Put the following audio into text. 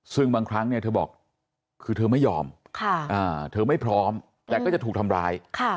ซึ่งบางครั้งเนี่ยเธอบอกคือเธอไม่ยอมเธอไม่พร้อมแต่ก็จะถูกทำร้าย